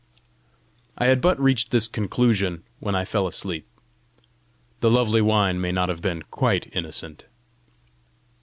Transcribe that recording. I had but reached this conclusion when I fell asleep. The lovely wine may not have been quite innocent.